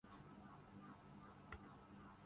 پچھلے بارہ سال میں دہشت گردی کی جنگ میں شہید ہونے والوں